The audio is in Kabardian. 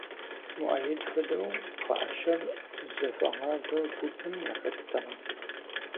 Муаед хуэдэу пхъэӀэщэр зыхуэгъавэ гупым яхэттэкъым.